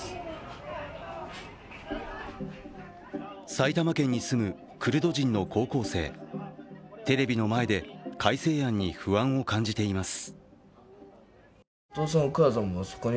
埼玉県に住むクルド人の高校生、テレビの前で、改正案に不安を感じています。